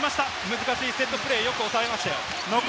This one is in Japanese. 難しいセットプレー、よく抑えましたよ。